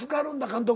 監督